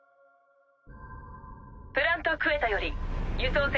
プラント・クエタより輸送船